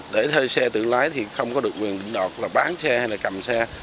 để thuê xe tự lái thì không có được quyền đọc là bán xe hay là cầm xe